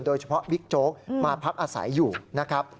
บิ๊กโจ๊กมาพักอาศัยอยู่นะครับ